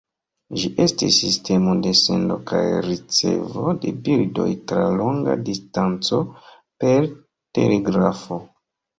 Ĝi estis sistemo de sendo kaj ricevo de bildoj tra longa distanco, per telegrafo.